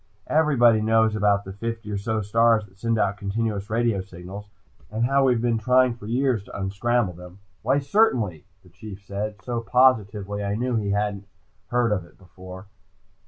"Everybody knows about the fifty or so stars that send out continuous radio signals, and how we've been trying for years to unscramble them." "Why certainly," the Chief said, so positively I knew he hadn't heard of it before.